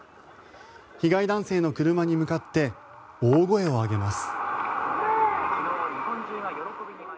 被害男性の車に向かって大声を上げます。